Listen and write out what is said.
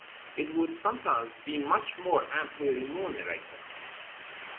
It would sometimes be much more amply remunerated.